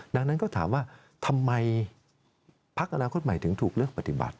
ดังนั้นก็ถามว่าทำไมพักอนาคตใหม่ถึงถูกเลือกปฏิบัติ